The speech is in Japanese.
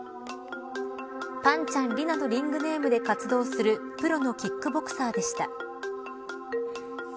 ぱんちゃん璃奈のリングネームで活動するプロのキックボクサーでした。